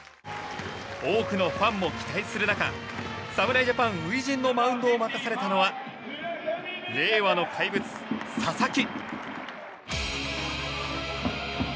多くのファンも期待する中侍ジャパン初陣のマウンドを任されたのは令和の怪物佐々木。